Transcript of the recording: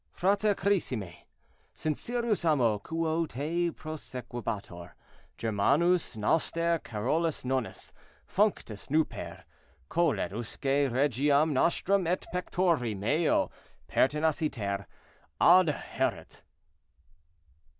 "Frater carissime, "Sincerus amo quo te prosequebatur germanus noster Carolus Nonus, functus nuper, colet usque regiam nostram et pectori meo pertinaciter adhoeret."